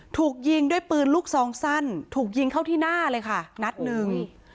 ถูกยิงด้วยปืนลูกซองสั้นถูกยิงเข้าที่หน้าเลยค่ะนัดหนึ่ง